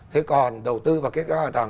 thế còn đầu tư vào kết cấu hạ tầng